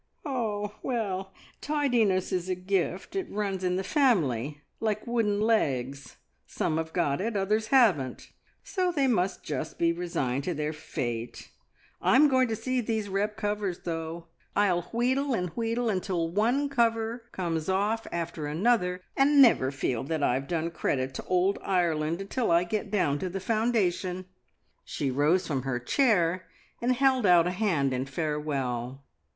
"Ah, well, tidiness is a gift. It runs in the family like wooden legs. Some have got it, and others haven't, so they must just be resigned to their fate. I'm going to see these repp covers, though! I'll wheedle and wheedle until one cover comes off after another, and never feel that I have done credit to Old Ireland until I get down to the foundation." She rose from her chair, and held out a hand in farewell.